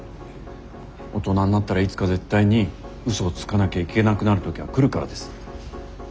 大人になったらいつか絶対に嘘をつかなきゃいけなくなる時が来るからです。